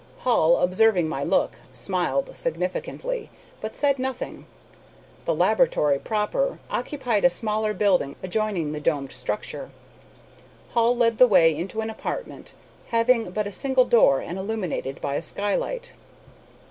Hall, observing my look, smiled significantly, but said nothing. The laboratory proper occupied a smaller building adjoining the domed structure. Hall led the way into an apartment having but a single door and illuminated by a skylight.